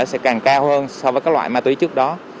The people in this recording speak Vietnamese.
sẽ càng cao hơn so với các loại ma túy trước đó